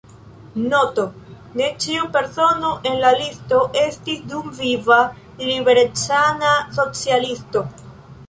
Noto: ne ĉiu persono en la listo estis dumviva liberecana socialisto.